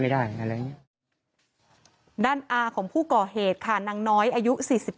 ด้านอ่าของผู้ก่อเหตุค่ะนางน้อยอายุ๔๘